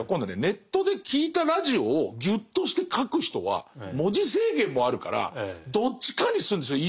ネットで聴いたラジオをギュッとして書く人は文字制限もあるからどっちかにするんですよ。